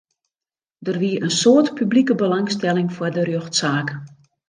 Der wie in soad publike belangstelling foar de rjochtsaak.